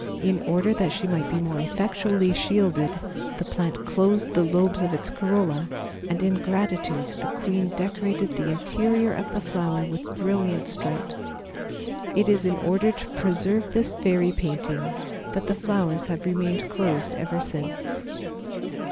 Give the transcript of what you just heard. In order that she might be more effectually shielded, the plant closed the lobes of its corolla and in gratitude the queen decorated the interior of the flower with brilliant stripes. It is in order to preserve this fairy painting that the flowers have remained closed ever since.